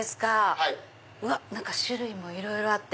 うわっ種類もいろいろあって。